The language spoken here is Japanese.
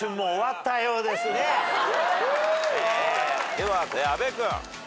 では阿部君。